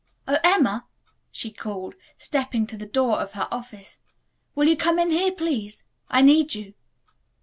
"Oh, Emma," she called, stepping to the door of her office, "will you come in here, please? I need you."